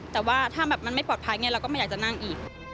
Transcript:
แต่ว่าถ้าแบบมันไม่ปลอดภัยเราก็ไม่อยากจะนั่งอีก